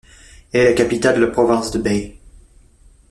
Elle est la capitale de la province de Bay.